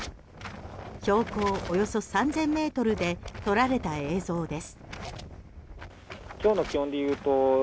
標高およそ３０００ｍで撮られた映像です。